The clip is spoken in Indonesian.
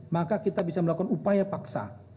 maka kita bisa melakukan upaya paksa